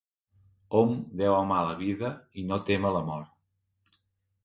Hom deu amar la vida i no témer la mort.